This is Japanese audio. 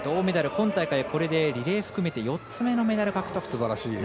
今大会はリレー含めて４つ目のメダル獲得。